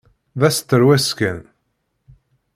D asterwes kan!